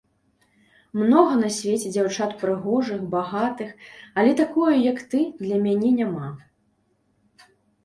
Многа на свеце дзяўчат прыгожых, багатых, але такое, як ты, для мяне няма.